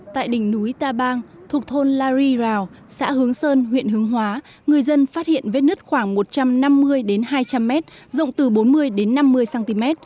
tại đỉnh núi ta bang thuộc thôn la ri rào xã hướng sơn huyện hướng hóa người dân phát hiện vết nứt khoảng một trăm năm mươi hai trăm linh m rộng từ bốn mươi năm mươi cm